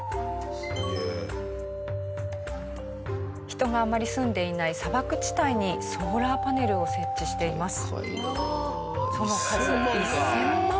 人があまり住んでいない砂漠地帯にソーラーパネルを設置しています。